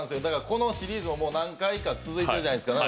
このシリーズも何回か続いてるじゃないですか。